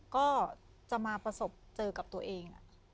ก็จะมาประสบเจอกับตัวเอง